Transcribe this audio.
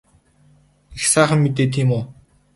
Их сайхан мэдээ тийм үү?